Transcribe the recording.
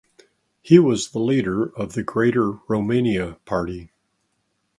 He was the leader of the Greater Romania Party.